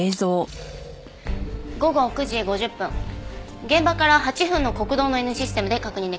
午後９時５０分現場から８分の国道のＮシステムで確認できました。